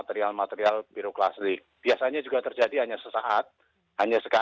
terima kasih pak